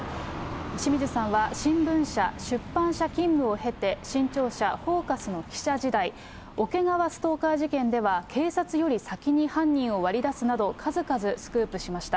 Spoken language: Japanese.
清水さんは新聞社、出版社勤務を経て、新潮社ＦＯＣＵＳの記者時代、桶川ストーカー事件では警察より先に犯人を割り出すなど、数々スクープしました。